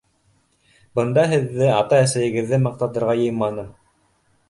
Бында һеҙҙе ата-әсәйегеҙҙе маҡтатырға йыйманым.